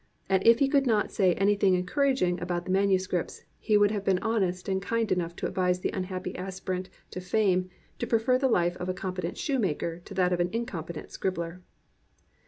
And if he could not say any thing encouraging about the manuscripts, he would have been honest and kind enough to advise the unhappy aspirant to fame to prefer the life of a competent shoemaker to that of an incompetent scribbler.